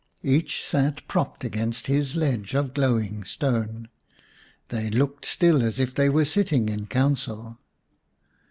Each sat propped against his ledge of glowing stone ; they looked still as if they were sitting in council.